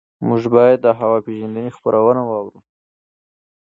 موږ باید د هوا پېژندنې خبرونه واورو.